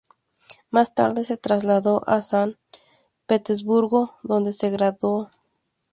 Más tarde se trasladó a San Petersburgo donde se graduó.